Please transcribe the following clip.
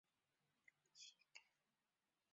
五号旗常用作一般不挂在立地旗杆上。